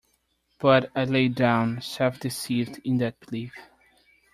But I lay down, self-deceived, in that belief..